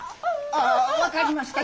ああ分かりました。